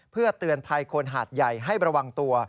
เพื่อเตือนภัยคนหาดใหญ่ให้ระวังตัว